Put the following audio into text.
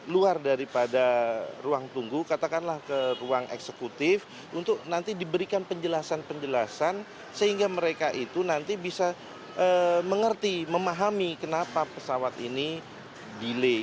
luar daripada ruang tunggu katakanlah ke ruang eksekutif untuk nanti diberikan penjelasan penjelasan sehingga mereka itu nanti bisa mengerti memahami kenapa pesawat ini delay